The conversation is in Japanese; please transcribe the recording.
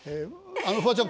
あのフワちゃん